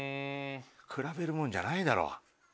比べるもんじゃないだろ。